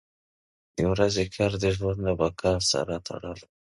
• د ورځې کار د ژوند له بقا سره تړلی دی.